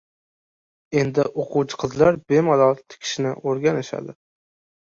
Endi oʻquvchi qizlar bemalol tikishni oʻrganishadi.